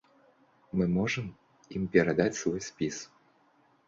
Мы можам ім перадаць свой спіс.